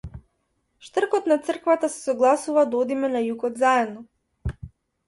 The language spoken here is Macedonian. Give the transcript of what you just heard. Штркот на црквата се согласува да одиме на југот заедно.